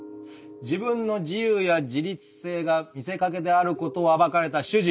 自分の自由や自立性が見せかけであることを暴かれた主人。